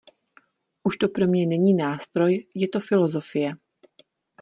Už to pro mě není nástroj, je to filosofie.